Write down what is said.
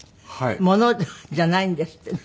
物じゃないんですってね。